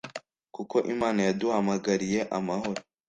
kuko imana yaduhamagariye amahoro